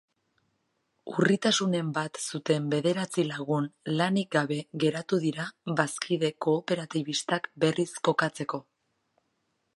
Urritasunen bat zuten bederatzi lagun lanik gabe geratu dira bazkide kooperatibistak berriz kokatzeko.